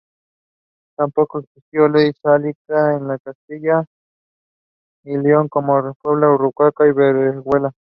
Tampoco existió ley sálica en Castilla y León, como lo prueban Urraca y Berenguela.